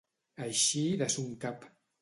Eixir de son cap.